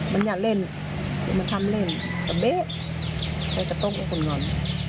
มันอยากเล่นมันทำเล่นแต่เบ๊ะแล้วจะต้องให้คนหล่อน